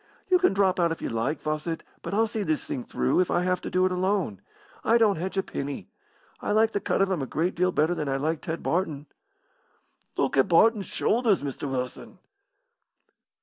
"You can drop out if you like, Fawcett, but I'll see this thing through, if I have to do it alone. I don't hedge a penny. I like the cut of him a great deal better than I liked Ted Barton." "Look at Barton's shoulders, Mr. Wilson."